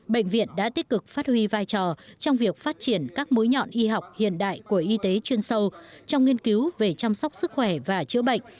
bệnh viện đã tích cực phát huy vai trò trong việc phát triển các mũi nhọn y học hiện đại của y tế chuyên sâu trong nghiên cứu về chăm sóc sức khỏe và chữa bệnh